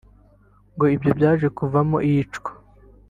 ngo ibyo byaje kuvamo iyicwa